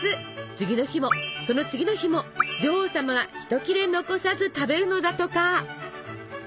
次の日もその次の日も女王様が一切れ残さず食べるのだとか。